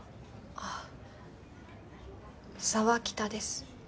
ああ沢北です。